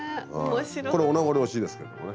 これお名残惜しいですけどもね。